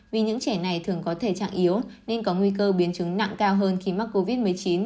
vì những trẻ này thường có thể trạng yếu nên có nguy cơ biến chứng nặng cao hơn khi mắc covid một mươi chín